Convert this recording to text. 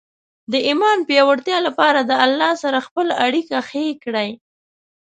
د ایمان پیاوړتیا لپاره د الله سره خپل اړیکه ښې کړئ.